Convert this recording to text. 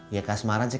iya kasmaran sih